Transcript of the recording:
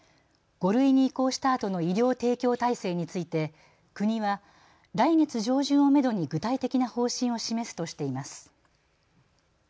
５類に移行したあとの医療提供体制について国は来月上旬をめどに具体的な方針を示すとしています。